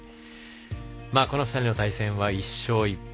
この２人の対戦は１勝１敗。